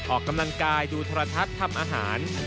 ออกกำลังกายดูทรทัศน์ทำอาหาร